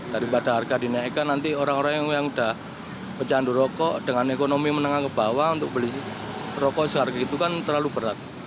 daripada harga dinaikkan nanti orang orang yang sudah mencandu rokok dengan ekonomi menengah ke bawah untuk beli rokok seharga itu kan terlalu berat